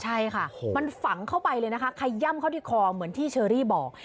ใช่ค่ะมันฝังเข้าไปเลยนะคะขย่ำเข้าที่คอเหมือนที่เชอรี่บอก